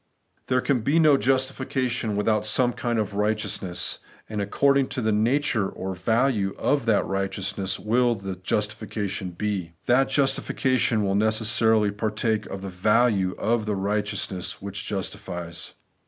There can be no justification without some kind of righteousness ; and according to the nature or value of that righteousness will the justification be. That justification will necessarily partake of the value of the righteousness which justifies.